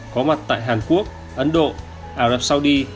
có mặt tại hàn quốc ấn độ ả rập saudi